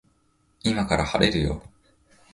今から晴れるよ